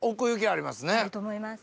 あると思います。